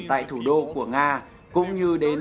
tại thủ đô của nga cũng như đến